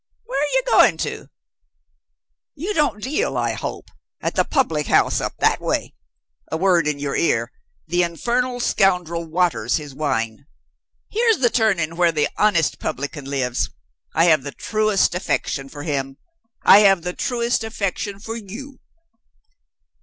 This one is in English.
Where are you going to? You don't deal, I hope, at the public house up that way? A word in your ear the infernal scoundrel waters his wine. Here's the turning where the honest publican lives. I have the truest affection for him. I have the truest affection for you.